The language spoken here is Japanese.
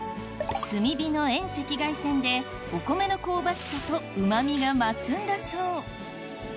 炭火の遠赤外線でお米の香ばしさとうまみが増すんだそう